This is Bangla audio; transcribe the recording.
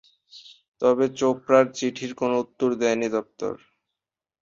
তবে চোপড়ার চিঠির কোন উত্তর দেয়নি দপ্তর।